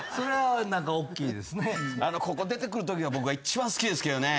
ここ出てくるとき僕は一番好きですけどね。